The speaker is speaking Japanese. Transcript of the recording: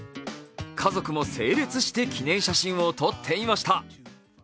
家族も整列して記念写真を撮っていました。